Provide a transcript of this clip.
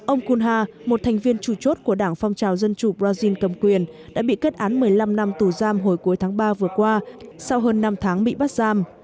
ông kunha một thành viên chủ chốt của đảng phong trào dân chủ brazil cầm quyền đã bị kết án một mươi năm năm tù giam hồi cuối tháng ba vừa qua sau hơn năm tháng bị bắt giam